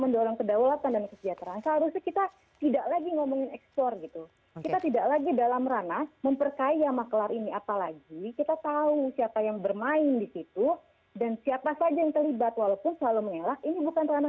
yang tadi pak andi sampaikan